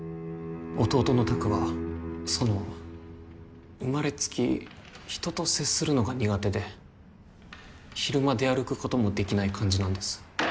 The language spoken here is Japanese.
弟の拓はその生まれつき人と接するのが苦手で昼間出歩くこともできない感じなんです